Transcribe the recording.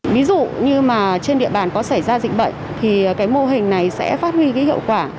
ví dụ như mà trên địa bàn có xảy ra dịch bệnh thì cái mô hình này sẽ phát huy cái hiệu quả